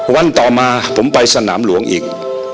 วันต่อมาผมไปสนามหลวงอีก